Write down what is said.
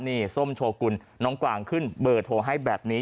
นี่ส้มโชกุลน้องกวางขึ้นเบอร์โทรให้แบบนี้